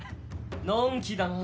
のんきだな